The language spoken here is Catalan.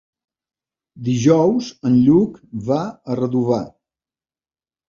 Dijous en Lluc va a Redovà.